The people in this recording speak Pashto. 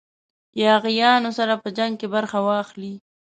یاغیانو سره په جنګ کې برخه واخلي.